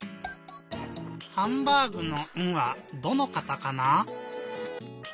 「ハンバーグ」の「ン」はどのカタカナ？